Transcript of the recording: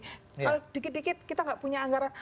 kalau dikit dikit kita nggak punya anggaran